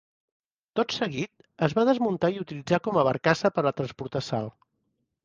Tot seguit, es va desmuntar i utilitzar com a barcassa per a transportar sal.